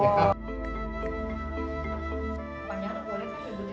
lebih tinggi semakin bagus